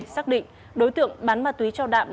xác định đối tượng bán ma túy cho đạm